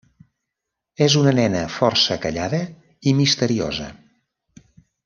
És una nena força callada i misteriosa.